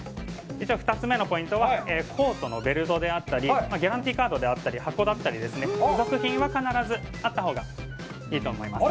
２つ目のポイントはコートのベルトだったりギャランティーカードであったり箱であったり付属品は必ずあったほうがいいと思います。